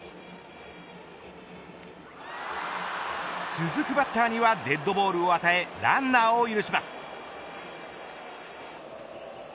続くバッターにはデッドボールを与えランナーを許します。